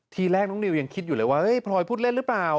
ทีแรกน้องนิวยังคิดอยู่เลยว่าเฮ้ยพลอยพูดเล่นหรือเปล่า